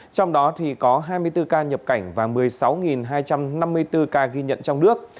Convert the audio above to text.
trong đó có hai mươi bốn ca nhập cảnh và một mươi sáu hai trăm năm mươi bốn ca ghi nhận trong nước